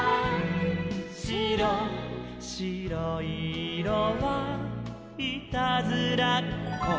「しろいいろはいたずらっこ」